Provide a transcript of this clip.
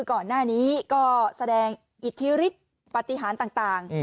ก่อนหน้านี้ก็แสดงอิทธิฤทธิ์ปฏิหารต่าง